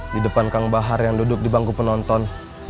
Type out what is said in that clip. di depan kang bahar yang duduk di bangku penonton